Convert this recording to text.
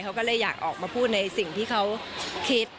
เขาก็เลยอยากออกมาพูดในสิ่งที่เขาคิด